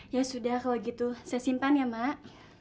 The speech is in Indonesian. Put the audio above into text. ya sudah kalau gitu saya simpan ya mbak